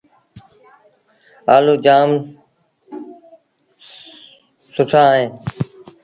آلو جآم سُآ اهيݩ۔